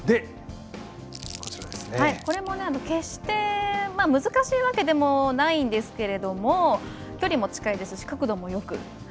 これも決して難しいわけでもないんですけど距離も近いですし角度もよく。